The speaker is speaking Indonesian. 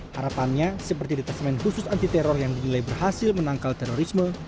harapannya seperti detesmen khusus anti teror yang dinilai berhasil menangkal terorisme